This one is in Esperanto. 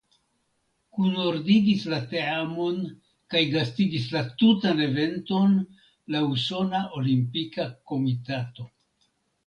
Kunordigis la teamon kaj gastigis la tutan eventon la Usona Olimpika Komitato.